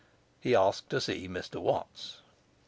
He asked to see Mr Watts.